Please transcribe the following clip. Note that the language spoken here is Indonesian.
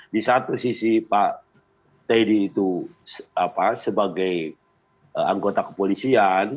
di satu sisi pak teddy itu sebagai anggota kepolisian